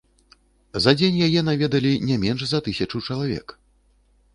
За дзень яе наведалі не менш за тысячу чалавек.